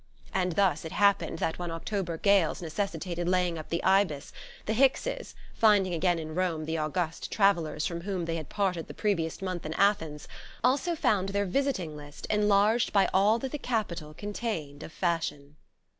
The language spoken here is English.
And thus it happened that when October gales necessitated laying up the Ibis, the Hickses, finding again in Rome the august travellers from whom they had parted the previous month in Athens, also found their visiting list enlarged by all that the capital contained of fashion.